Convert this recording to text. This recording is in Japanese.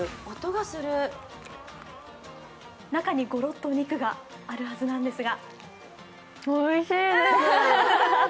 中にゴロッとお肉があるはずなんですが。